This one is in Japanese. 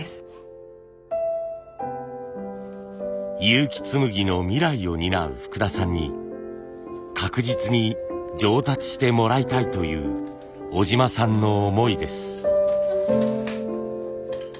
結城紬の未来を担う福田さんに確実に上達してもらいたいという小島さんの思いです。